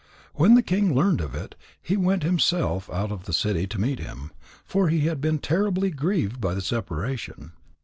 When the king learned of it, he went himself out of the city to meet him, for he had been terribly grieved by the separation.